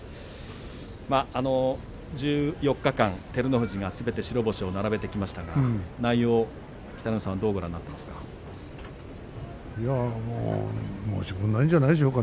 １４日間、照ノ富士がすべて白星を並べてきましたが内容、北の富士さんどうですか？